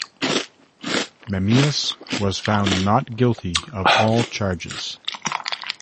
Memmius was found not guilty of all charges.